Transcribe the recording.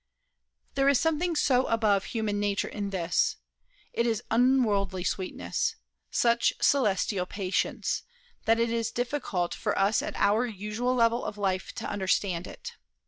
There is something so above human nature in this it is such unworldly sweetness, such celestial patience, that it is difficult for us at our usual level of life to understand it.